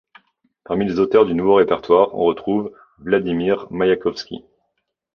Parmi les auteurs du nouveau répertoire on retrouve Vladimir Maïakovski.